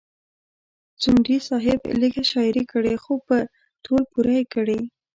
ځونډي صاحب لیږه شاعري کړې خو په تول پوره یې کړې.